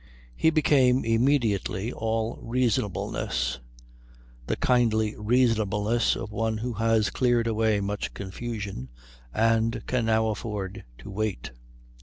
He became immediately all reasonableness, the kindly reasonableness of one who has cleared away much confusion and can now afford to wait.